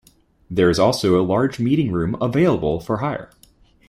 There is also a large meeting room available for hire.